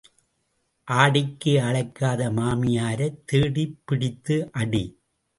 ஆடிக்கு அழைக்காத மாமியாரைத் தேடிப் பிடித்து அடி.